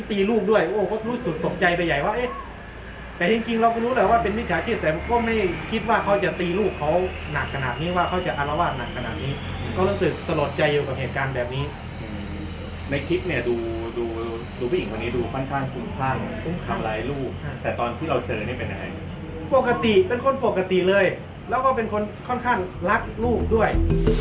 แต่ก็ไม่คิดว่าเขาจะตีลูกเขาหนักขนาดนี้ว่าเขาจะอารวาสหนักขนาดนี้ก็รู้สึกสะหรับใจอยู่กับเหตุการณ์แบบนี้ในคลิปเนี่ยดูดูดูดูผู้หญิงวันนี้ดูค่อนข้างคุ้มข้างคุ้มขำไรลูกแต่ตอนที่เราเจอนี่เป็นไหนปกติเป็นคนปกติเลยแล้วก็เป็นคนค่อนข้างรักลูกด้วย